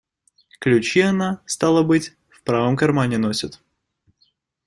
Ключи она, стало быть, в правом кармане носит.